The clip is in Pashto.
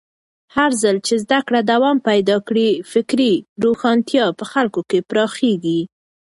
هرځل چې زده کړه دوام پیدا کړي، فکري روښانتیا په خلکو کې پراخېږي.